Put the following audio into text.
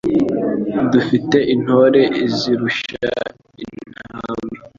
dufite Intore izirusha intambwe